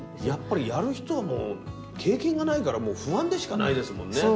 やっぱりやる人はもう経験がないから不安でしかないですもんね。